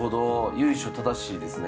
由緒正しいですね。